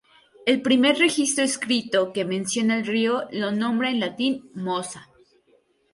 El primer registro escrito que menciona el río lo nombra en latín "Mosa".